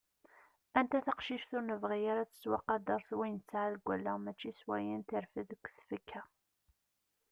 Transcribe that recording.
Anta taqcict ur nebɣi ara ad tettwaqader s wayen tesɛa deg wallaɣ mačči s wayen terfed deg tfekka.